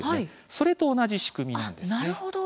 それと同じ仕組みです。